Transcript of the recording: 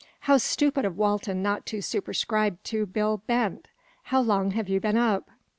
How stupid of Walton not to superscribe to Bill Bent! How long have you been up?"